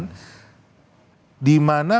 dimana pemerintah itu punya kewajiban